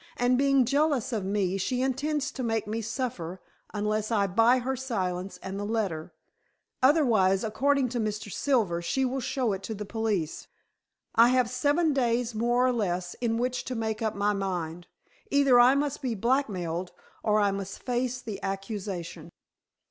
"And being jealous of me, she intends to make me suffer, unless I buy her silence and the letter. Otherwise, according to Mr. Silver, she will show it to the police. I have seven days, more or less, in which to make up my mind. Either I must be blackmailed, or I must face the accusation."